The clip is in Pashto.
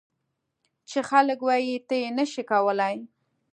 چې خلک وایي ته یې نه شې کولای.